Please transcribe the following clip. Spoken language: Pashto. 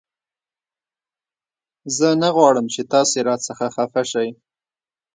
زه نه غواړم چې تاسې را څخه خفه شئ